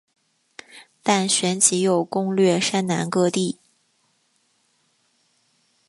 但旋即又攻掠山南各地。